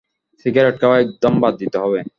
Cigarette খাওয়া একদম বাদ দিতে হবে।